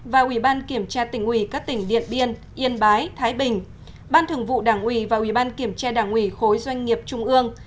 và ubnd kiểm tra tỉnh ủy các tỉnh điện biên yên bái thái bình ban thường vụ đảng ủy và ubnd kiểm tra đảng ủy khối doanh nghiệp trung ương